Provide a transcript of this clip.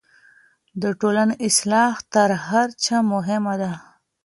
د ټولني اصلاح تر هر څه مهمه ده.